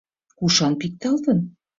— Кушан пикталтын?